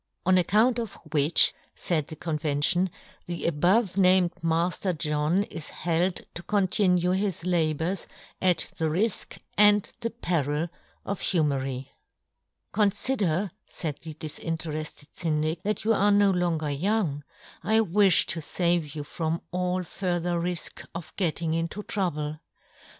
" On account of which," faid the convention, " the above " named Mafter John is held to " continue his labours at the rilk and " the peril of Humery." yohn Gutenberg. 35 " Conlider," faid the dilinterefted Syndic, " that you are no longer " young ; I wifh to fave you from all " further rifk of getting into trouble.